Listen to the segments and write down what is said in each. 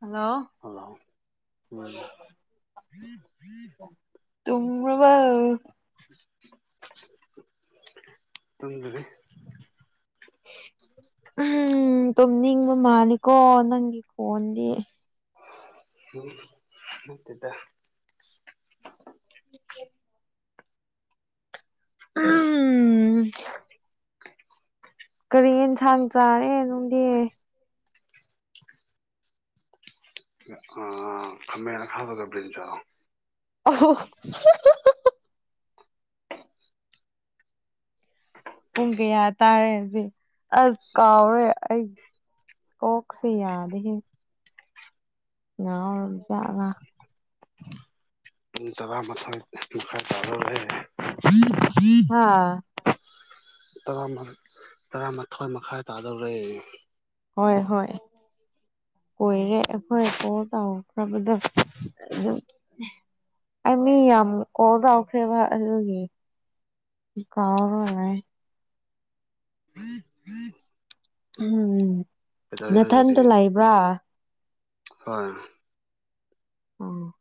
ꯍꯜꯂꯧ hello ꯎꯝ [unintelligible] ꯇꯨꯝꯔꯕꯧ? [unintelligible] ꯎꯝ ꯇꯨꯝꯅꯤꯡꯕ ꯃꯥꯅꯤꯀꯣ ꯅꯪꯒꯤ ꯈꯣꯟꯗꯤ [unintelligible] ꯅꯠꯇꯦꯗ [inaudible] [inaudible] ꯀꯔꯤ ꯌꯦꯟꯁꯥꯡ ꯆꯥꯔꯦ ꯅꯨꯡꯗꯤ ꯑ ꯈꯃꯦꯟ ꯑꯈꯥꯕꯗꯣ ꯕ꯭ꯔꯤꯟꯖꯥꯜ ꯑꯣ [unintelligible] ꯄꯨꯡ ꯀꯌꯥ ꯇꯥꯔꯦ ꯍꯨꯖꯤꯛ ꯑꯁ ꯀꯥꯎꯔꯦ ꯑꯩ ꯀꯣꯛꯁꯦ ꯌꯥꯗꯦꯍꯦ [unintelligible] [unintelligible] ꯑꯁ ꯍꯥ ꯇꯔꯥ ꯇꯔꯥꯃꯥꯊꯣꯏ ꯃꯈꯥꯏ ꯇꯥꯗꯧꯔꯦ ꯍꯣꯏ ꯍꯣꯏ ꯀꯣꯏꯔꯦ ꯑꯩꯈꯣꯏ ꯀꯣꯜ ꯇꯧꯈ꯭ꯔꯕꯗꯣ ꯑꯗꯨꯝ ꯑꯩ ꯃꯤ ꯌꯥꯝ ꯀꯣꯜ ꯇꯧꯈ꯭ꯔꯦꯕ ꯑꯗꯨꯒꯤ ꯑꯩ ꯀꯥꯎꯔꯒ ꯂꯩ ꯎꯝ ꯎꯝ ꯀꯩꯗꯩꯔꯤꯅꯣ ꯍꯧꯍꯤꯛꯇꯤ ꯅꯊꯟꯇ ꯂꯩꯕ꯭ꯔꯥ ꯍꯣꯏ ꯑꯣ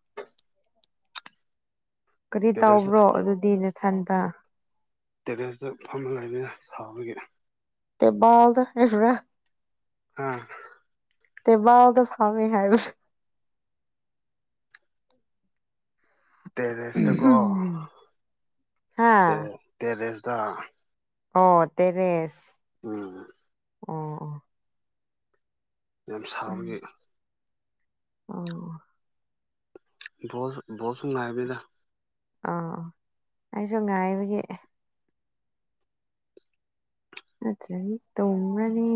ꯀꯔꯤ ꯇꯦꯔꯦꯁꯇ ꯇꯥꯎꯕ꯭ꯔꯣ ꯑꯗꯨꯗꯤ ꯅꯊꯟꯇ ꯇꯦꯔꯦꯁꯇ ꯐꯝꯃ ꯂꯩꯕꯅꯦ ꯁꯥꯥꯕꯒꯤ [unintelligible] ꯑꯥ ꯇꯦꯕꯥꯜꯗ ꯐꯝꯃꯦ ꯍꯥꯏꯕ ꯇꯦꯔꯦꯁꯇꯀꯣ ꯍꯥ ꯇꯦ ꯇꯦꯔꯦꯁꯇ ꯑꯣ ꯇꯦꯔꯁ ꯎꯝ ꯑꯣ ꯑꯣ ꯌꯥꯝ ꯁꯥꯕꯒꯤ ꯑꯣ ꯕꯣꯜ ꯕꯣꯜꯁꯨ ꯉꯥꯏꯕꯅꯤꯗ ꯑꯣ ꯑꯩꯁꯨ ꯉꯥꯏꯕꯒꯤ ꯅꯠꯇ꯭ꯔꯗꯤ ꯇꯨꯝꯃꯅꯤ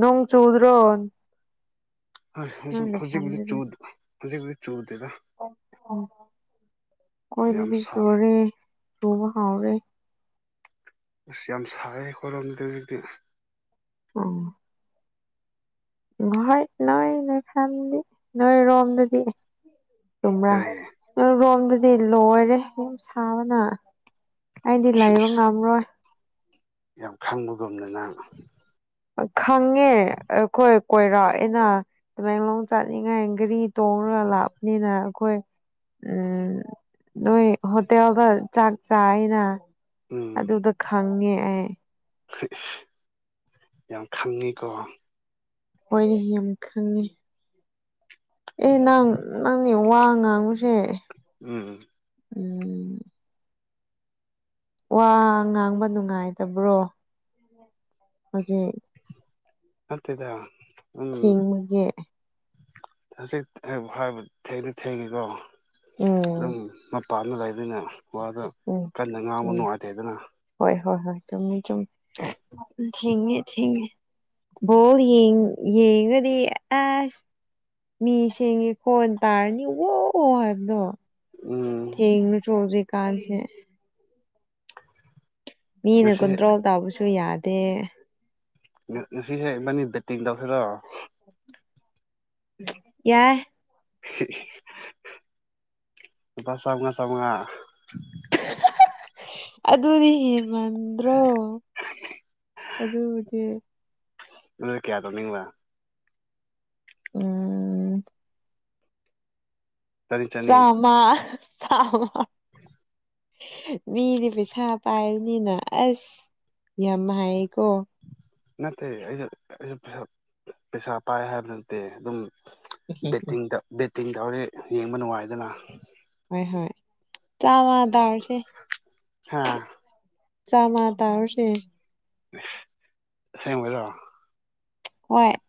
ꯅꯣꯡ ꯆꯨꯗ꯭ꯔꯣ ꯍꯣꯏ ꯅꯣꯏ ꯍꯧꯖꯤꯛ ꯍꯧꯖꯤꯛꯄꯨꯗꯤ ꯆꯨ ꯂꯩꯐꯝꯗꯗꯤ ꯍꯧꯖꯤꯛꯄꯨꯗꯤ ꯆꯨꯗꯦꯗ ꯌꯥꯝ ꯈꯣꯏꯗꯗꯤ ꯁꯥ ꯆꯨꯔꯦ ꯆꯨꯕ ꯍꯥꯎꯔꯦ ꯑꯁ ꯌꯥꯝ ꯁꯥꯏꯌꯦ ꯑꯩꯈꯣꯏꯔꯣꯝꯗꯗꯤ ꯍꯧꯖꯤꯛꯇꯤ ꯑꯣ ꯍꯣꯏ ꯅꯣꯏꯅ ꯈꯟꯕꯗꯤ ꯅꯣꯏꯔꯣꯝꯗꯗꯤ ꯆꯨꯝꯕ꯭ꯔꯥ ꯀꯔꯤ ꯅꯣꯔꯣꯝꯗꯗꯤ ꯂꯣꯏꯔꯦ ꯌꯨꯝ ꯁꯥꯕꯅ ꯑꯩꯗꯤ ꯂꯩꯕ ꯁꯤꯁ ꯉꯝꯔꯣꯏ ꯌꯥꯝ ꯈꯪꯕꯒꯨꯝꯅ ꯅꯪ ꯈꯪꯉꯦ ꯑꯩꯈꯣꯏ ꯀꯣꯏꯔꯛꯑꯦꯅ ꯇꯃꯦꯡꯂꯣꯡ ꯆꯥꯠꯅꯤꯡꯉꯥꯏ ꯒꯥꯔꯤ ꯇꯣꯡꯔ ꯂꯥꯛꯄꯅꯤꯅ ꯑꯩꯈꯣꯏ ꯎꯝ ꯅꯣꯏ ꯍꯣꯇꯦꯜꯗ ꯆꯥꯛ ꯆꯥꯏꯅ ꯑꯗꯨꯗ ꯈꯪꯉꯦ ꯑꯩ ꯏꯁ ꯌꯥꯝ ꯈꯪꯉꯤꯀꯣ ꯍꯣꯏꯅꯦ ꯍꯦꯟ ꯈꯪꯉꯦ ꯑꯦ ꯅꯪ ꯅꯪꯅꯦ ꯋꯥ ꯉꯥꯡꯉꯨꯁꯦ ꯎꯝ ꯎꯝ ꯋꯥ ꯉꯥꯡꯕ ꯅꯨꯡꯉꯥꯏꯇꯕ꯭ꯔꯣ ꯍꯧꯖꯤꯛ ꯅꯠꯇꯦꯗ ꯎꯝ ꯊꯦꯡꯕꯒꯤ ꯍꯖꯤꯛꯅꯦꯕꯨ ꯍꯥꯏꯕ ꯊꯦꯡꯗꯤ ꯊꯦꯡꯉꯤꯀꯣ ꯗꯨꯝ ꯎꯝ ꯄꯥꯜꯂ ꯂꯩꯕꯅꯤꯅ ꯋꯥꯗꯣ ꯎꯝ ꯀꯟꯅ ꯉꯥꯡꯕ ꯎꯝ ꯅꯨꯡꯉꯥꯏꯇꯦꯗꯅ ꯍꯣꯏ ꯍꯣꯏ ꯍꯣꯏ ꯆꯨꯝꯃꯤ ꯆꯨꯝꯃꯤ ꯑ ꯄꯨꯡ ꯊꯦꯡꯉꯦ ꯊꯦꯡꯉꯦ ꯕꯣꯜ ꯌꯦ ꯌꯦꯡꯔꯗꯤ ꯑꯁ ꯃꯤ ꯁꯦꯡꯉꯦ ꯀꯣꯟ ꯇꯥꯔꯅꯤ ꯋꯣ ꯍꯥꯏꯕꯗꯣ ꯎꯝ ꯊꯦꯡꯔꯁꯨ ꯍꯧꯖꯤꯛꯀꯥꯟꯁꯦ ꯃꯤꯅ ꯉꯁꯤ ꯀꯟꯇ꯭ꯔꯣꯜ ꯇꯥꯎꯕꯁꯨ ꯌꯥꯗꯦ ꯉ ꯉꯁꯤꯁꯦ ꯏꯕꯥꯅꯤ ꯕꯦꯠꯇꯤꯡ ꯇꯧꯁꯤꯔꯣ ꯌꯥꯏ ꯂꯨꯄꯥ ꯆꯥꯎꯉ ꯆꯥꯎꯉ ꯑꯗꯨꯗꯤ ꯍꯦꯟ ꯃꯟꯗ꯭ꯔꯣ ꯑꯗꯨꯕꯨꯗꯤ ꯅꯣꯏ ꯀꯌꯥ ꯇꯧꯅꯤꯡꯕ ꯎꯝ ꯆꯅꯤ ꯆꯅꯤ ꯆꯥꯝꯃ ꯇꯥꯕꯔ꯭ ꯎꯝ ꯃꯤꯗꯤ ꯄꯩꯁꯥ ꯄꯥꯏꯕꯅꯤꯅ ꯑꯁ ꯌꯥꯝ ꯍꯥꯏꯌꯦꯀꯣ ꯅꯠꯇꯦ ꯑꯩꯁꯨ ꯑꯩꯁꯨ ꯄꯩꯁ ꯄꯩꯁꯥ ꯄꯥꯏ ꯍꯥꯏꯕ ꯅꯠꯇꯦ ꯑꯗꯨꯝ ꯕꯦꯠꯇꯤꯡꯗ ꯕꯦꯠꯇꯤꯡꯗ ꯍꯣꯔꯦꯟ ꯌꯦꯡꯕ ꯅꯨꯡꯉꯥꯏꯗꯅ ꯍꯣꯏ ꯍꯣꯏ ꯇꯥꯕ ꯗꯥꯎꯁꯦ ꯍꯥꯥ ꯆꯥꯃ ꯇꯥꯎꯁꯦ ꯑꯁꯦꯡꯕꯩꯔꯣ ꯍꯣꯏꯠ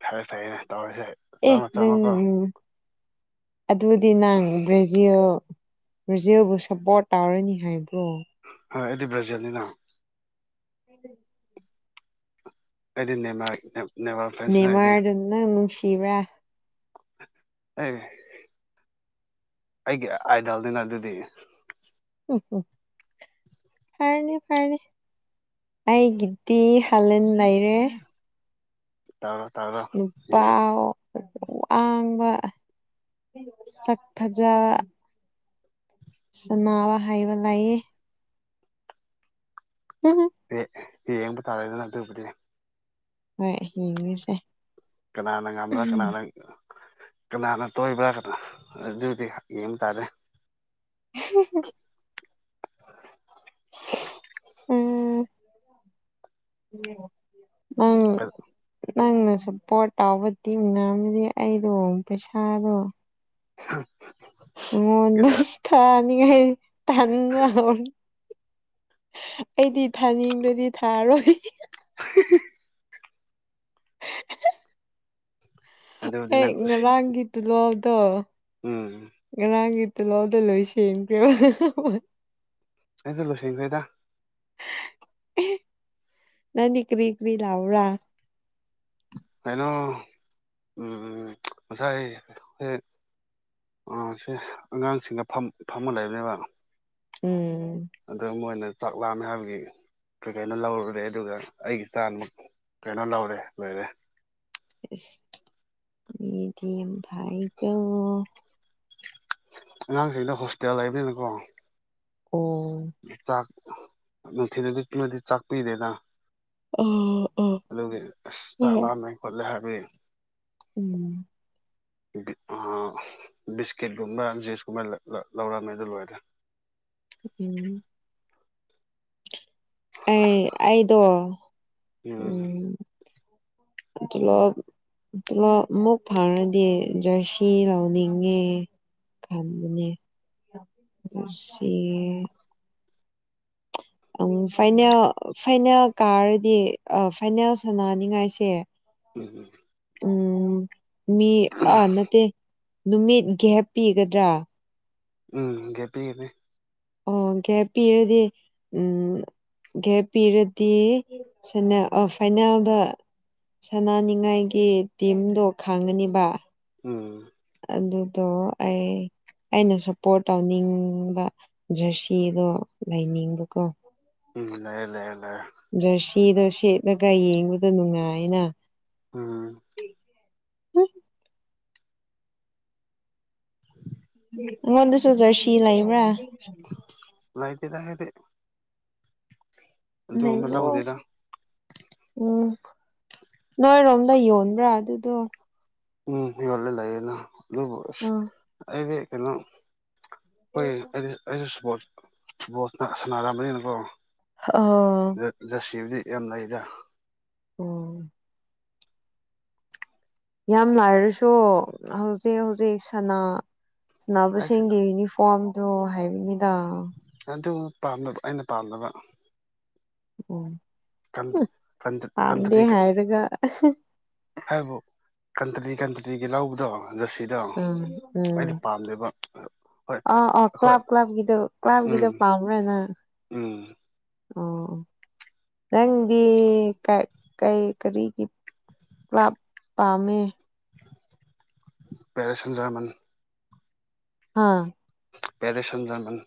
ꯐꯔꯦ ꯐꯔꯦ ꯇꯧꯔꯁꯦ ꯑꯦ ꯅꯪ ꯑꯗꯨꯗꯤ ꯅꯪ ꯕ꯭ꯔꯥꯖꯤꯜ ꯕ꯭ꯔꯥꯖꯤꯜꯕꯨ ꯁꯄꯣꯔꯠ ꯇꯧꯔꯅꯤ ꯍꯥꯏꯕ꯭ꯔꯣ ꯍꯣꯏ ꯑꯩꯗꯤ ꯕ꯭ꯔꯥꯖꯤꯜꯅꯤꯅ ꯎꯝ ꯑꯩꯗꯤ ꯅꯦꯃꯥꯔ ꯅꯤ ꯅꯦꯃꯥꯔꯗꯣ ꯅꯪ ꯅꯨꯡꯁꯤꯕ꯭ꯔꯥ ꯑꯦ ꯑꯩꯒꯤ ꯑꯥꯏꯗꯜꯅꯤꯅ ꯑꯗꯨꯗꯤ ꯐꯔꯅꯤ ꯐꯔꯅꯤ ꯑꯩꯒꯤꯗꯤ ꯍꯥꯂꯦꯟ ꯂꯩꯔꯦ ꯇꯧꯔꯣ ꯇꯧꯔꯣ ꯅꯨꯄꯥ ꯑꯋꯥꯡꯕ ꯁꯛ ꯐꯖꯕ ꯁꯅꯥꯋꯥ ꯍꯩꯕ ꯂꯩꯌꯦ ꯎꯝ ꯑꯦ ꯌꯦꯡꯕ ꯇꯥꯔꯦꯗꯅ ꯑꯗꯨꯕꯨꯗꯤ ꯍꯣꯏ ꯍꯦꯡꯕꯤꯁꯦ ꯀꯅꯥꯅ ꯉꯝꯕ ꯀꯅꯥꯅ ꯀꯅꯥꯅ ꯇꯣꯏꯕ꯭ꯔꯥ ꯀꯅꯥ ꯑꯗꯨꯗꯤ ꯌꯦꯡꯕ ꯇꯥꯔꯦ [unintelligible] ꯎꯝ ꯌꯦꯡꯉꯣ ꯅ ꯪ ꯅꯪꯅꯁꯨ ꯄꯣꯠ ꯇꯥꯎꯕꯗꯤꯉꯝꯗꯤ ꯑꯩꯗꯣ ꯄꯩꯁꯥꯗꯣ [inaudible] ꯃꯣꯏꯅ ꯊꯅꯤꯉꯦꯍꯥꯢ ꯇꯥꯟꯕꯅꯥꯂꯣꯢꯔꯦ ꯑꯩꯗꯤ ꯊꯥꯅꯤꯡꯗꯗꯤ ꯊꯥꯔꯣꯏ [unintelligible] [unintelligible] ꯑꯗꯨꯕꯨꯗꯤ ꯑꯩ ꯅꯪ ꯈꯨꯁꯤ ꯉꯔꯥꯡꯒꯤ ꯇꯨꯂꯥꯎꯗꯣ ꯎꯝ ꯉꯔꯥꯡꯒꯤ ꯇꯨꯂꯥꯎꯗꯣ ꯂꯣꯏꯁꯤꯟꯒꯔꯕ [unintelligible] ꯑꯩꯖꯨ ꯂꯣꯏꯁꯤꯒꯥꯔꯦꯗ [unintelligible] ꯅꯪꯗꯤ ꯀꯕꯤ ꯀꯕꯤ ꯂꯧꯕꯔꯥ ꯀꯩꯅꯣ ꯑꯝ ꯉꯁꯥꯏ [unintelligible] ꯑꯁꯦ ꯑꯉꯥꯡꯁꯤꯡꯅ ꯐꯝ ꯐꯝꯃ ꯂꯩꯔꯦꯕ ꯎꯝ ꯑꯗꯣ ꯃꯣꯏꯅ ꯆꯥꯛ ꯂꯥꯝꯃꯦ ꯍꯥꯏꯕꯒꯤ ꯀꯩ ꯀꯩꯅꯣ ꯂꯧꯔꯨꯔꯦ ꯑꯗꯨꯒ ꯑꯩꯒꯤ ꯏꯆꯥꯅꯃꯛ ꯀꯩꯅꯣ ꯂꯧꯔꯦ ꯂꯩꯔꯦ ꯑꯁ [unintelligible] ꯑꯉꯥꯡꯁꯤꯡꯗ ꯍꯣꯁꯇꯦꯜ ꯂꯩꯕꯅꯤꯅꯀꯣ ꯑꯣ ꯆꯥꯛ ꯅꯨꯡꯊꯤ [unintelligible] ꯆꯥꯛ ꯄꯤꯗꯦꯅ ꯎꯝ ꯎꯝ ꯑꯗꯨꯒꯤ ꯑꯁ ꯆꯥꯛ ꯂꯥꯝꯃꯦ ꯈꯣꯠꯂꯦ ꯍꯥꯏꯕꯗꯤ ꯎꯝ ꯕꯤꯟ ꯑꯥ ꯕꯤꯁꯀꯤꯠꯀꯨꯝꯕ ꯖꯤꯁꯀꯨꯝꯕ ꯂꯥ ꯂꯥ ꯂꯧꯔꯝꯃꯦ ꯑꯗꯨ ꯂꯣꯏꯔꯗꯤ ꯎꯝ ꯑꯩ ꯑꯩꯗꯣ ꯎꯝ [unintelligible] [unintelligible] ꯑꯃꯨꯛ ꯐꯥꯔꯗꯤ ꯖꯣꯏꯁꯤ ꯂꯥꯎꯅꯤꯡꯉꯦ ꯈꯟꯕꯅꯦ [unintelligible] ꯎꯝ ꯐꯥꯏꯅꯦꯜ ꯐꯥꯏꯅꯦꯜ ꯀꯥꯔꯗꯤ ꯑꯥ ꯐꯥꯏꯅꯦꯜ ꯁꯥꯟꯅꯅꯤꯉꯥꯏꯁꯦ [unintelligible] ꯎꯝ ꯃꯤ ꯑꯥ ꯅꯠꯇꯦ ꯅꯨꯃꯤꯠ ꯒꯦꯞꯄꯤꯒꯗ꯭ꯔꯥ ꯎꯝ ꯒꯦꯞꯒꯅꯦ ꯑꯣ ꯒꯦꯞ ꯄꯤꯔꯗꯤ ꯎꯝ ꯒꯦꯞ ꯄꯤꯔꯗꯤ ꯁꯅꯥ ꯑꯥ ꯐꯥꯏꯅꯥꯜꯗ ꯁꯅꯅꯤꯡꯉꯥꯏꯒꯤ ꯇꯤꯝꯗꯣ ꯈꯥꯡꯉꯅꯦꯕ ꯎꯝ ꯑꯗꯨꯗꯣ ꯑꯩ ꯑꯩꯅ ꯁꯄꯣꯔꯠ ꯇꯧꯅꯤꯡꯕ ꯖꯔꯁꯤꯗꯣ ꯂꯩꯅꯤꯡꯕꯀꯣ ꯑꯝ ꯂꯩꯌꯦ ꯂꯩꯌꯦ ꯂꯩꯌꯦ ꯖꯔꯁꯤꯗꯣ ꯁꯦꯠꯂꯒ ꯌꯦꯡꯕꯗꯎ ꯅꯨꯡꯉꯥꯏꯅ ꯎꯝ [inaudible] ꯉꯣꯟꯗꯁꯨ ꯖꯔꯁꯤ ꯂꯩꯕꯔꯥ ꯂꯩꯇꯦꯗ ꯍꯥꯏꯗꯤ ꯑꯗꯨꯒꯨꯝꯕ ꯂꯩꯕꯑꯣꯏ ꯂꯧꯗꯦꯗ ꯎꯝ ꯅꯣꯏꯔꯣꯝꯗ ꯌꯣꯟꯕ꯭ꯔꯥ ꯑꯗꯨꯗꯣ ꯎꯝ ꯌꯜꯂꯦ ꯂꯩꯌꯦꯅ ꯑꯗꯨꯁ ꯑꯁ ꯑꯥ ꯑꯩꯗꯤ ꯀꯩꯅꯣ ꯍꯣꯏ ꯑꯩꯗꯤ ꯑꯩ ꯏꯁꯄꯣꯔꯠ ꯕꯜꯂ ꯁꯥꯟꯅꯔꯛꯑꯝꯕꯅꯤꯅꯀꯣ ꯑꯣ ꯖ ꯖꯁꯤꯂꯗꯤ ꯌꯥꯝ ꯂꯩꯗ ꯑꯣꯝ ꯌꯥꯝ ꯂꯥꯏꯔꯁꯨ ꯍꯧꯖꯤꯛ ꯍꯧꯖꯤꯛ ꯁꯅꯥ ꯑꯩꯁꯦ ꯁꯅꯕꯁꯤꯡꯒꯤ ꯌꯨꯅꯤꯐ ꯐꯣꯔꯝꯗꯨꯣ ꯍꯥꯏꯕꯅꯤꯗ ꯑꯗꯨ ꯄꯥꯝꯗꯕ ꯑꯩꯅ ꯄꯥꯝꯗꯕ ꯑꯣ ꯎ ꯄꯥꯝꯗꯦ ꯀꯟꯇ꯭ꯔꯤ ꯍꯥꯏꯔꯒ ꯍꯥꯏꯕꯨ ꯀꯟꯇ꯭ꯔꯤ ꯀꯟꯇ꯭ꯔꯤꯒꯤ ꯂꯧꯕꯗꯣ ꯖꯦꯔꯁꯤꯗꯣ ꯎꯝ ꯑꯩꯗ ꯄꯥꯝꯗꯦꯕ ꯍꯣꯏ ꯑ ꯑꯣ ꯑꯩꯈꯣꯏ ꯀ꯭ꯂꯕ ꯀ꯭ꯂꯕ ꯀꯤꯗꯣ ꯀ꯭ꯂꯕ ꯀꯨꯗꯣ ꯎꯝ ꯄꯥꯝꯕꯔꯥ ꯅꯒ ꯎꯝ ꯑꯣ ꯅꯪꯗꯤ ꯀꯩ ꯀꯩ ꯀꯔꯤꯒꯤ ꯀ꯭ꯂꯞ ꯄꯥꯝꯃꯤ ꯄꯦꯔꯤꯁꯖꯔꯃꯟ ꯍꯥꯥ ꯄꯦꯔꯤꯁꯖꯔꯃꯟ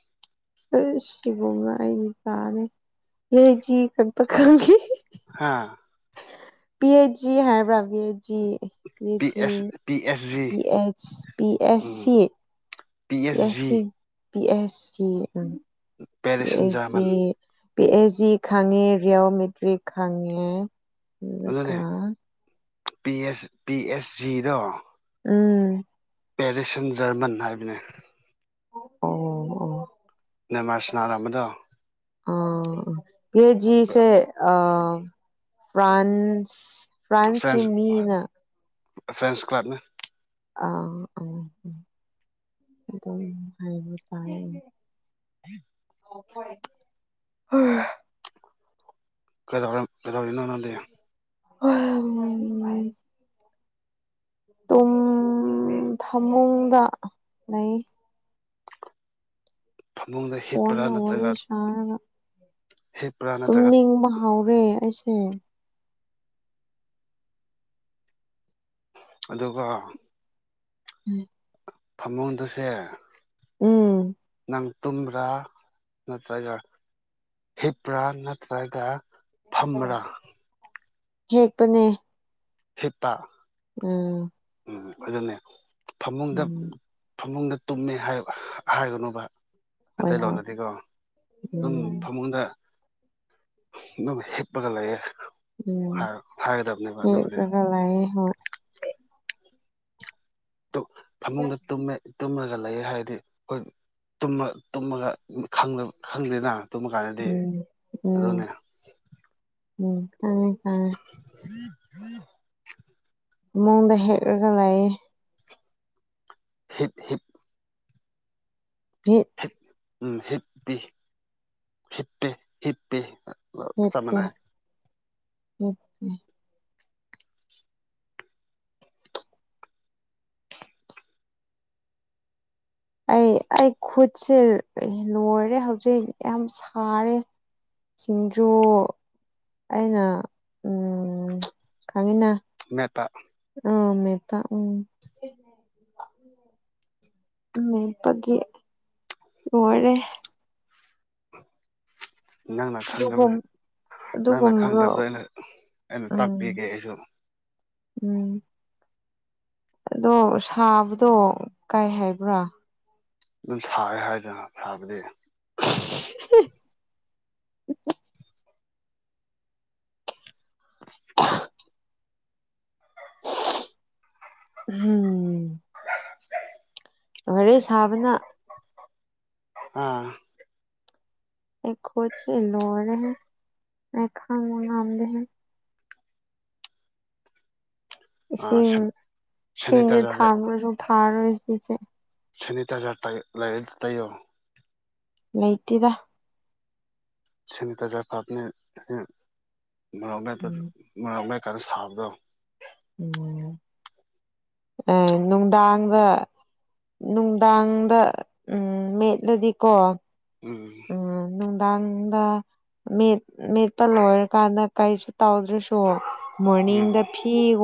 ꯁꯤꯒꯨꯝꯕ ꯑꯩꯗꯤ ꯇꯥꯔꯦ ꯍ ꯆ ꯀꯄ ꯈꯪꯈꯤ ꯍꯥꯥ ꯄꯤ ꯑꯦꯆꯖꯤ ꯍꯥꯏꯕ꯭ꯔꯕꯤ ꯄꯤ ꯒꯑꯦ ꯄꯤ ꯄꯖꯤ S P S G P S ꯁꯤ ꯄꯦ ꯑꯁ ꯎꯝ ꯁꯤ ꯄꯤ ꯑꯦꯁ ꯁꯤ ꯄꯤ ꯑꯦꯁ ꯁꯤ ꯎ ꯄꯤ ꯄꯦꯔꯤꯁ ꯁꯟ ꯖꯔꯃꯟ ꯑꯦꯁꯖꯤ ꯄꯤ ꯑꯩꯆ ꯖꯤ ꯈꯪꯉꯦ ꯔꯤꯑꯣꯃꯦꯦꯇ꯭ꯔꯤꯛ ꯈꯪꯉꯦ ꯑꯗꯨꯅꯦ ꯑꯗꯨꯒ ꯄꯤ ꯑꯦꯁ ꯄꯤ ꯑꯦꯁ ꯖꯤꯗꯣ ꯎꯝ ꯄꯦꯔꯤꯁꯟ ꯖꯔꯃꯟ ꯍꯥꯏꯕꯅꯤ ꯑꯣ ꯑꯣ ꯅꯥꯃꯔ ꯁꯅꯔꯝ ꯕꯗꯣ ꯑꯣ ꯄꯦꯥꯖꯤꯁꯦ ꯑꯣ ꯐ꯭ꯔꯥꯟꯁ ꯐ꯭ꯔꯦꯟꯁ ꯃꯤꯅ ꯐ꯭ꯔꯦꯟꯁ ꯀ꯭ꯂꯞꯅꯦ ꯑꯣ ꯑꯣ ꯑꯗꯨ ꯍꯥꯏꯕ ꯇꯥꯢ [unintelligible] [unintelligible] ꯀꯩꯗꯧꯔꯝ ꯀꯩꯗꯧꯔꯤꯅꯣ ꯅꯪꯗꯤ [unintelligible] ꯇꯨꯝꯃꯒ ꯐꯃꯨꯡꯗ ꯂꯩ ꯐꯃꯨꯡꯗ ꯍꯤꯞꯄ꯭ꯔꯥ ꯐꯣꯟꯗ ꯅꯠꯇ꯭ꯔꯒ ꯋꯥꯔꯤ ꯁꯥꯔꯒ ꯍꯤꯞꯄ꯭ꯔꯥ ꯅꯠꯇ꯭ꯔꯒ ꯇꯨꯝꯅꯤꯡꯕ ꯉꯥꯎꯔꯦ ꯑꯩꯁꯦ ꯑꯗꯨꯒ ꯎꯝ ꯐꯃꯨꯡꯗ ꯁꯦ ꯎꯝ ꯇꯨꯝꯕ꯭ꯔꯥ ꯅꯠꯇ꯭ꯔꯒ ꯍꯤꯄ꯭ꯔꯥ ꯅꯠꯇ꯭ꯔꯒ ꯐꯝꯕ꯭ꯔꯥ ꯍꯤꯞꯄꯅꯦ ꯍꯤꯞꯄ ꯎꯝ ꯎꯝ ꯑꯗꯨꯅꯦ ꯐꯃꯨꯡꯗ ꯎꯝ ꯐꯃꯨꯡꯗ ꯇꯨꯝꯃꯦ ꯍꯥꯏꯒꯅꯨꯕ ꯍꯣꯏ ꯍꯣꯏ ꯃꯩꯇꯩꯂꯣꯟ ꯅꯠꯇꯦꯒꯣ ꯑꯗꯨꯝ ꯎꯝ ꯐꯃꯨꯡꯗ ꯑꯗꯨꯝ ꯍꯤꯞꯄꯒ ꯂꯩꯌꯦ ꯍꯥꯢ ꯍꯥꯏꯒꯗꯕꯅꯦꯕ ꯑꯗꯨꯕꯨꯗꯤ ꯍꯣꯢꯌꯦ ꯍꯣꯏ ꯇꯣ ꯐꯃꯨꯡꯗ ꯇꯨꯝꯃꯦ ꯇꯨꯝꯃꯒ ꯂꯩ ꯍꯥꯏꯔꯗꯤ ꯑꯩꯈꯣꯏ ꯇꯨꯝꯃ ꯇꯨꯝꯃꯒ ꯈꯪ ꯈꯪꯗꯦꯅ ꯇꯨꯝꯃ ꯀꯥꯟꯗꯗꯤ ꯎꯝ ꯑꯗꯨꯅꯦ ꯎꯝ ꯎꯝ ꯈꯪꯉꯦ ꯈꯪꯉꯦ [inaudible] ꯃꯥꯡꯗ ꯍꯤꯞꯂꯒ ꯂꯩꯌꯦ ꯍꯤꯞ ꯍꯤꯞ ꯍꯤꯞ ꯎꯝ ꯍꯤꯞ ꯍꯤꯞꯄꯤ ꯍꯤꯠꯄꯤ ꯍꯤꯞꯄꯤ ꯑꯣ ꯆꯞ ꯍꯤꯞꯄꯦ ꯃꯥꯟꯅꯩ ꯍꯤꯞꯄꯦ ꯑꯩ ꯑꯩ ꯈꯨꯠꯁꯦ ꯂꯣꯏꯔꯦ ꯍꯧꯖꯤꯛ ꯌꯥꯝ ꯁꯥꯔꯦ ꯁꯤꯡꯖꯨ ꯑꯩꯅ ꯎꯝ ꯈꯪꯉꯤꯅ ꯑꯃꯦꯠꯄ ꯑꯝ ꯃꯦꯠꯄ ꯎꯝ ꯃꯦꯠꯄꯒꯤ ꯂꯣꯢꯔꯦ ꯅꯪꯅ ꯈꯪꯗꯕ ꯑꯗꯨꯒꯨꯝ ꯂꯩ ꯅꯪꯅ ꯑꯗꯨꯒꯨꯝꯕꯗꯣ ꯈꯪꯗꯕꯗꯣ ꯑꯩꯅ ꯑꯩꯅ ꯎꯝ ꯇꯥꯛꯄꯤꯒꯦ ꯑꯩꯁꯨ ꯎꯝ ꯑꯗꯣ ꯁꯥꯕꯗꯣ ꯀꯨ ꯍꯥꯏꯕ꯭ꯔꯥ ꯑꯗꯨꯝ ꯁꯥꯢ ꯍꯥꯏꯅ ꯍꯥꯢꯕꯅꯦ [unintelligible] ꯎꯝ [unintelligible] ꯋꯥꯔꯤ ꯁꯥꯕꯅ ꯑꯥ ꯑꯩ ꯈꯨꯠꯁꯤ ꯂꯣꯏꯔꯦꯍꯦ ꯑꯩ ꯈꯥꯡꯕ ꯉꯝꯗꯦ ꯑꯥ ꯏꯁꯤꯡ ꯏꯁꯤꯡꯁꯦ ꯁꯦꯅꯤꯇꯥꯏꯖꯔ ꯊꯥꯡꯔꯁꯨ ꯐꯥꯔꯣꯏ ꯁꯤꯁꯦ ꯁꯦꯅꯤꯇꯥꯏꯖꯔ ꯇꯩ ꯂꯩꯔꯗꯤ ꯇꯩꯌꯨ ꯂꯩꯇꯦꯗ ꯁꯦꯅꯤꯇꯥꯏꯖꯔ ꯐꯕꯅꯦ ꯃꯣꯔꯣꯛ ꯃꯦꯠꯄ ꯎꯝ ꯃꯣꯔꯣꯛ ꯃꯦꯠꯄ ꯀꯥꯟꯗ ꯁꯥꯕꯗꯣ ꯎꯝ ꯑꯥ ꯅꯨꯡꯗꯥꯡꯗ ꯅꯨꯡꯗꯥꯡꯗ ꯎꯝ ꯃꯦꯠꯂꯗꯤꯀꯣ ꯎꯝ ꯎꯝ ꯅꯨꯡꯗꯥꯡꯗ ꯃꯦꯠ ꯃꯦꯠꯄ ꯂꯣꯏꯔꯀꯥꯟꯗꯥ ꯀꯩꯁꯨ ꯇꯧꯗ꯭ꯔꯁꯨ ꯎꯝ ꯃꯣꯔꯅꯤꯡꯗ ꯐꯤꯒꯨꯝꯕ